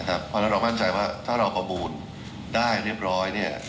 เพราะฉะนั้นเรามั่นใจว่าถ้าเราประมูลได้เรียบร้อย